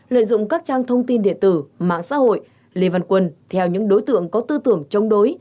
lợi dụng các trang thông tin điện tử mạng xã hội lê văn quân theo những đối tượng có tư tưởng chống đối